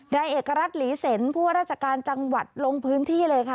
นายเอกรัฐหลีเซ็นผู้ว่าราชการจังหวัดลงพื้นที่เลยค่ะ